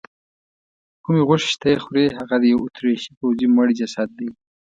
کومې غوښې چې ته یې خورې هغه د یوه اتریشي پوځي مړ جسد دی.